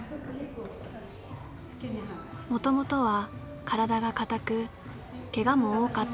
もともとは体がかたくけがも多かったという江村。